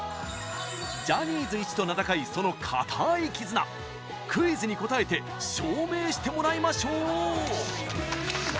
ジャニーズイチと名高いその固い絆クイズに答えて証明してもらいましょう！